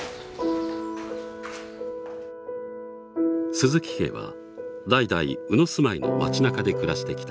鈴木家は代々鵜住居の町なかで暮らしてきた。